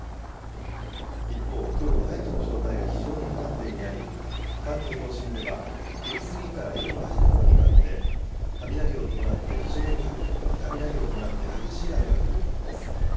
一方、きょうも大気の状態が非常に不安定になり、関東甲信では、昼過ぎから夜の初めごろにかけて、雷を伴って激しい雨が降る見込みです。